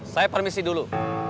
saya permisi dulu